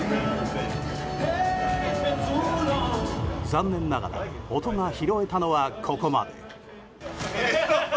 残念ながら音が拾えたのはここまで。